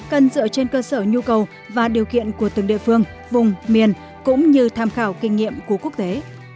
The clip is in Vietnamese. cần dựa trên cơ sở nhu cầu và điều kiện của từng địa phương vùng miền cũng như tham khảo kinh nghiệm của quốc tế